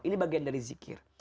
ini bagian dari zikir